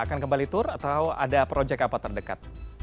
akan kembali tur atau ada proyek apa terdekat